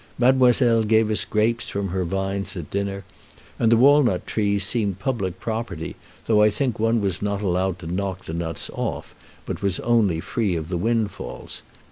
Mademoiselle gave us grapes from her vines at dinner, and the walnut trees seemed public property, though I think one was not allowed to knock the nuts off, but was only free of the windfalls.